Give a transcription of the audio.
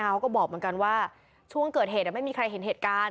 เขาก็บอกเหมือนกันว่าช่วงเกิดเหตุไม่มีใครเห็นเหตุการณ์